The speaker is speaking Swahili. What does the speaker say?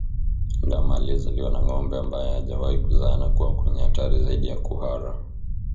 Ndama aliezaliwa na ngombe ambaye hajawahi kuzaa anakuwa kwenye hatari zaidi ya kuhara